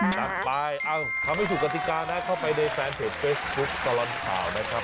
จัดไปทำให้ถูกกติกานะเข้าไปในแฟนเพจเฟซบุ๊คตลอดข่าวนะครับ